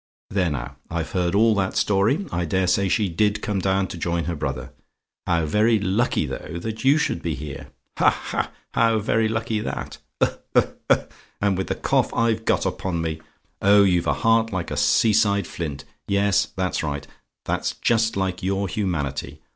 "There, now; I've heard all that story. I daresay she did come down to join her brother. How very lucky, though, that you should be here! Ha! ha! how very lucky that ugh! ugh! ugh! and with the cough I've got upon me oh, you've a heart like a sea side flint! Yes, that's right. That's just like your humanity.